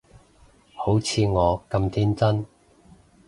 好似我咁天真